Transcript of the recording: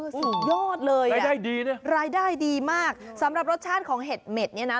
สุดยอดเลยน่ะรายได้ดีมากสำหรับรสชาติของเห็ดเม็ดนี่นะ